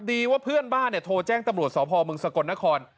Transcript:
ดีว่าเพื่อนบ้านเนี่ยโทรแจ้งตำรวจสอบภอมุมสกลนคร